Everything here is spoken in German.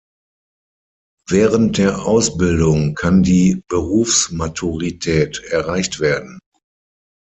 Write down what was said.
Während der Ausbildung kann die Berufsmaturität erreicht werden.